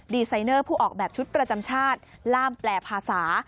ดีไซเนอร์ผู้ออกแบบชุดประจำชาติล่ามแปลภาษา